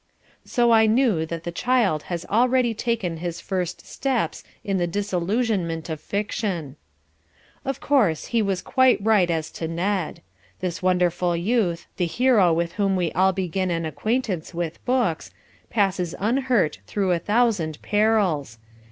So I knew that the child has already taken his first steps in the disillusionment of fiction. Of course he was quite right as to Ned. This wonderful youth, the hero with whom we all begin an acquaintance with books, passes unhurt through a thousand perils.